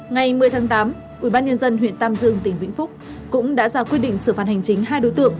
ngày một mươi tháng tám ubnd huyện tam dương tỉnh vĩnh phúc cũng đã ra quyết định xử phạt hành chính hai đối tượng